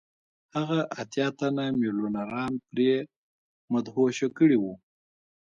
هغه اتیا تنه میلیونران پرې مدهوشه کړي وو